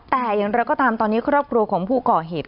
แต่อย่างไรก็ตามตอนนี้ครอบครัวของผู้ก่อเหตุ